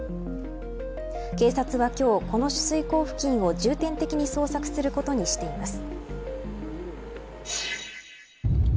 警察は今日、この取水口付近を重点的に捜索することにしています。